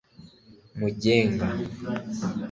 mugenga